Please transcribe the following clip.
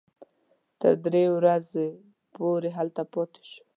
تر درې ورځو پورې هلته پاتې شوو.